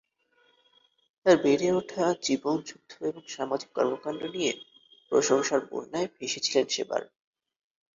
তাঁর বেড়ে ওঠা, জীবনযুদ্ধ এবং সামাজিক কর্মকাণ্ড নিয়ে প্রশংসার বন্যায় ভেসেছিলেন সেবার।